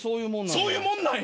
そういうもんなんや！